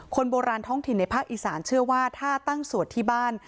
คนโบราณท้องถิ่นในภาคอีสานเชื่อว่าถ้าตั้งสวดที่บ้าน